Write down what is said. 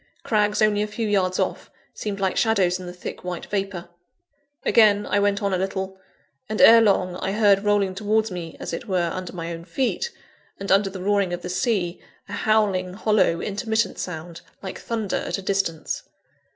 Crags only a few yards off, seemed like shadows in the thick white vapour. Again, I went on a little; and, ere long, I heard rolling towards me, as it were, under my own feet, and under the roaring of the sea, a howling, hollow, intermittent sound like thunder at a distance.